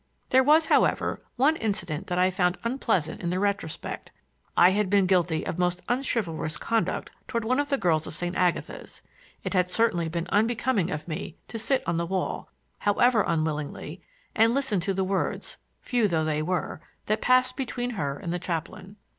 There was, however, one incident that I found unpleasant in the retrospect. I had been guilty of most unchivalrous conduct toward one of the girls of St. Agatha's. It had certainly been unbecoming in me to sit on the wall, however unwillingly, and listen to the words—few though they were—that passed between her and the chaplain.